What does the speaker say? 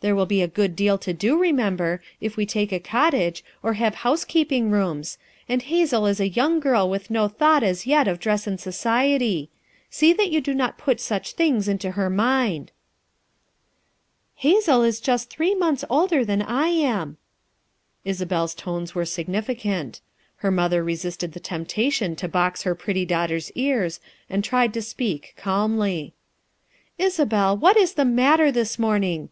There will be a good deal to do, remember, if we take a cottage, or have housekeeping rooms, and Hazel is a youmr girl with no thought as yet of dress and society; see that you do not put such things in to her mind." "Hazel is just three months older than I am," Isabel's tones were significant. Her mother resisted the temptation to box her pretty daughter's ears and tried to speak calmly. "Isabel, what is the matter, this morning!